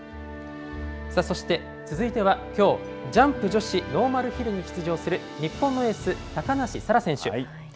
そして、続いてはきょう、ジャンプ女子ノーマルヒルに出場する日本のエース、高梨沙羅選手。